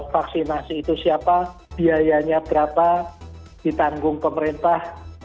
vaksinasi itu siapa biayanya berapa ditanggung pemerintah